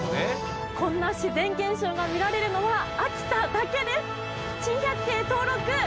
こんな自然現象が見られるのは秋田だけです。